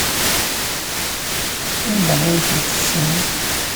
Anda ay ten-tessenz?